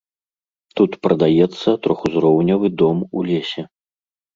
Тут прадаецца трохузроўневы дом у лесе.